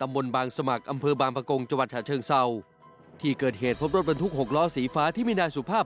ตำบลบางสมัครอำเภอบางประกงจังหวัดฉะเชิงเศร้าที่เกิดเหตุพบรถบรรทุกหกล้อสีฟ้าที่มีนายสุภาพ